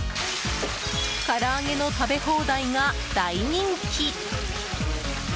から揚げの食べ放題が大人気。